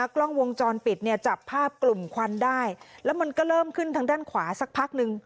กล้องวงจรปิดเนี่ยจับภาพกลุ่มควันได้แล้วมันก็เริ่มขึ้นทางด้านขวาสักพักนึง